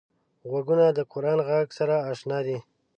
غوږونه د قران غږ سره اشنا دي